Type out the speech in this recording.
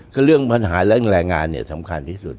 คือเรื่องปัญหาและแรงงานเนี่ยสำคัญที่สุด